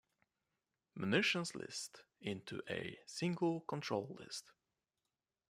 Munitions List into a Single Control List.